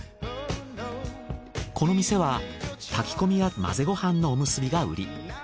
この店は炊き込みや混ぜご飯のおむすびがウリ。